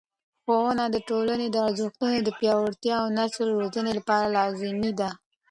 ښوونه د ټولنې د ارزښتونو د پیاوړتیا او نسل روزنې لپاره لازمي ده.